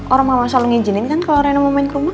orang mama selalu ngijinin kan kalau reno mau main ke rumah